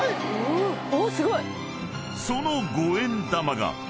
［その五円玉が］